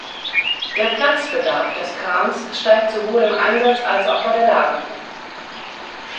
Der Platzbedarf des Krans steigt sowohl im Einsatz als auch bei der Lagerung.